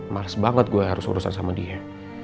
males banget gue harus urusan sama dia